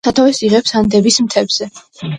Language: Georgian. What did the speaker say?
სათავეს იღებს ანდების მთებზე.